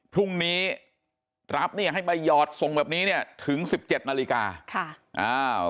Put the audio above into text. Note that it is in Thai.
พรุ่งนี้รับเนี่ยให้มาหยอดส่งแบบนี้เนี่ยถึงสิบเจ็ดนาฬิกาค่ะอ้าว